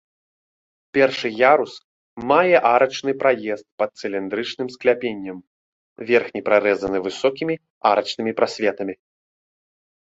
Першы ярус мае арачны праезд пад цыліндрычным скляпеннем, верхні прарэзаны высокімі арачнымі прасветамі.